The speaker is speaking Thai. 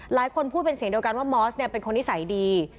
หลายคนพูดเป็นเสียงเดียวกันว่ามอสเนี่ยเป็นคนนิสัยดี